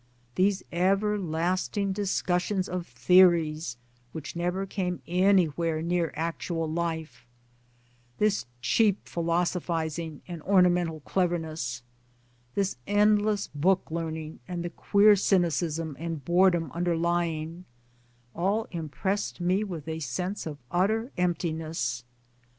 These ever lasting discussions of theories which never came any where near actual life, this cheap philosophizing and ornamental cleverness, this endless book learning, and the queer cynicism and boredom underlying all im pressed me with a sense of utter emptiness.